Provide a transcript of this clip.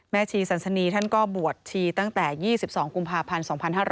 ชีสันสนีท่านก็บวชชีตั้งแต่๒๒กุมภาพันธ์๒๕๕๙